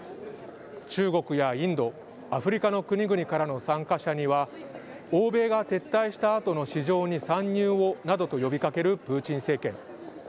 中国やインド、アフリカの国々からの参加者には、欧米が撤退したあとの市場に参入をなどと呼びかけるプーチン政権。